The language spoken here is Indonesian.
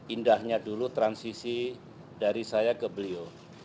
indahnya dulu transisi dari saya ke beliau